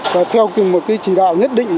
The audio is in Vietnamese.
và theo một chỉ đạo nhất định